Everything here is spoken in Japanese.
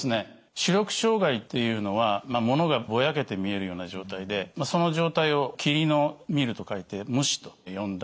視力障害っていうのは物がぼやけて見えるような状態でその状態を「霧の視る」と書いて霧視と呼んだりします。